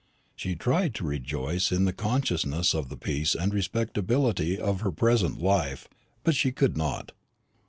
She tried to rejoice in the consciousness of the peace and respectability of her present life; but she could not.